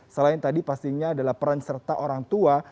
selain tadi pastinya adalah peran serta orang tua